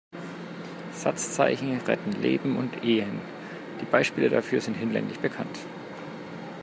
Satzzeichen retten Leben und Ehen, die Beispiele dafür sind hinlänglich bekannt.